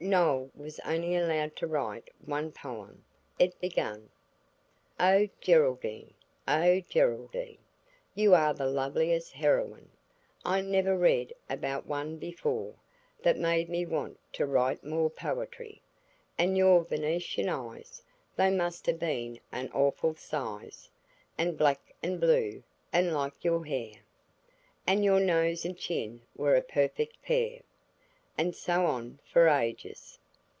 Noël was only allowed to write one poem. It began– "Oh, Geraldine! Oh, Geraldine! You are the loveliest heroine! I never read about one before That made me want to write more Poetry. And your Venetian eyes, They must have been an awful size; And black and blue, and like your hair, And your nose and chin were a perfect pair." and so on for ages.